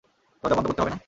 দরজা বন্ধ করতে হবে না?